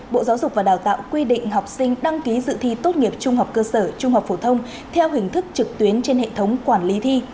bộ giáo dục và đào tạo quy định học sinh đăng ký dự thi tốt nghiệp trung học cơ sở trung học phổ thông theo hình thức trực tuyến trên hệ thống quản lý thi